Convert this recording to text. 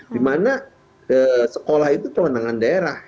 di mana sekolah itu kewenangan daerah